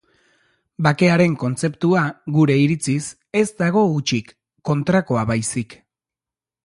Bakearen kontzeptua, gure iritziz, ez dago hutsik, kontrakoa baizik.